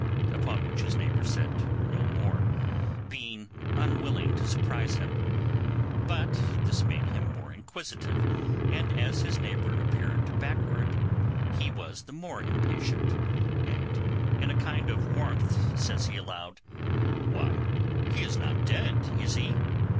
Upon which his neighbour said no more, being unwilling to surprise him; but this made him more inquisitive, and as his neighbour appeared backward, he was the more impatient, and in a kind of warmth says he aloud, 'Why, he is not dead, is he?